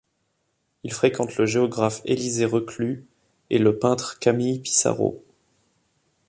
Il fréquente le géographe Élisée Reclus et le peintre Camille Pissarro.